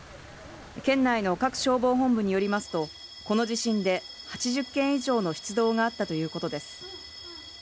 県内の各消防本部によりますとこの地震で８０件以上の出動があったということです。